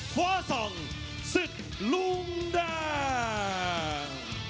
ฟ้าสังสิดปลุ่มแดง